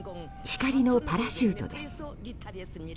光のパラシュートです。